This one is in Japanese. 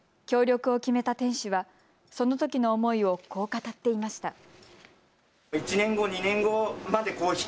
協力を決めた店主はそのときの思いをこう語っていました。